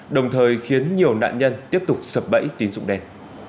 đồng thời khiến nhiều nạn nhân tiếp tục sập bẫy tín dụng đen